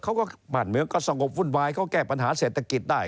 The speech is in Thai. บ้านเมืองก็สงบวุ่นวายเขาแก้ปัญหาเศรษฐกิจได้